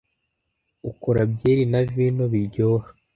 ukora byeri na vino biryoha